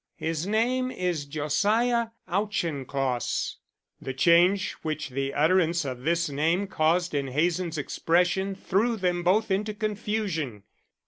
His name is Josiah Auchincloss." The change which the utterance of this name caused in Hazen's expression threw them both into confusion.